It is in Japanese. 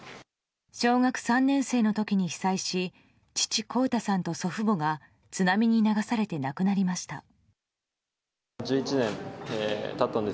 小学３年生の時に被災し父・功太さんと祖父母が津波に流されて亡くなりました。